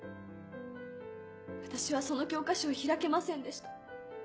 私はその教科書を開けませんでした。